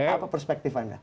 apa perspektif anda